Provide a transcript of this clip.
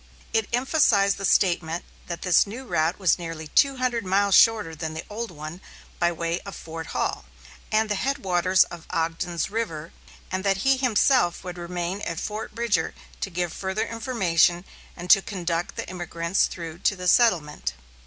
It emphasized the statement that this new route was nearly two hundred miles shorter than the old one by way of Fort Hall and the headwaters of Ogden's River, and that he himself would remain at Fort Bridger to give further information, and to conduct the emigrants through to the settlement.